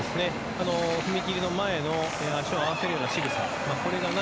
踏み切りの前の足を合わせるようなしぐさ。